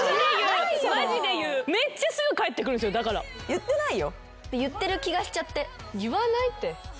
言ってないよ。